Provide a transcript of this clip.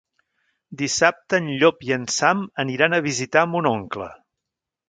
Dissabte en Llop i en Sam aniran a visitar mon oncle.